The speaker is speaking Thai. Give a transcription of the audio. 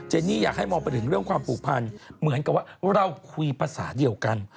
นี่อยากให้มองไปถึงเรื่องความผูกพันเหมือนกับว่าเราคุยภาษาเดียวกัน